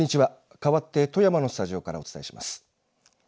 かわって富山のスタジオからお伝えします。